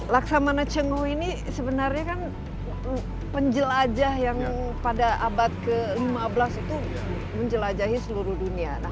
laksamana cengho ini sebenarnya kan penjelajah yang pada abad ke lima belas itu menjelajahi seluruh dunia